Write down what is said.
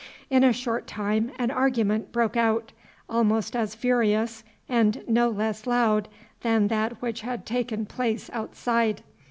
In a short time an argument broke out, almost as furious and no less loud than that which had taken place outside.